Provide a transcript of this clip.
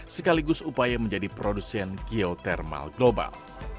sekaligus upaya menjadi produsen geotermal global